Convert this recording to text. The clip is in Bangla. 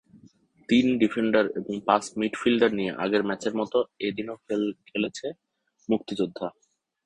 তিন ডিফেন্ডার এবং পাঁচ মিডফিল্ডার নিয়ে আগের ম্যাচের মতো এদিনও খেলেছে মুক্তিযোদ্ধা।